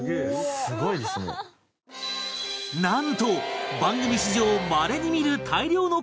なんと番組史上まれに見る何？